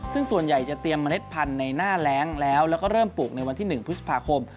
ซึ่งส่วนใหญ่จะเตรียมเมล็ดพันธุ์ในหน้าแรงแล้วแล้วก็เริ่มปลูกในวันที่๑พฤษภาคม